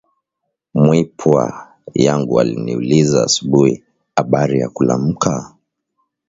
Mwipwa yangu aliniuliza asubui abari ya kulamuka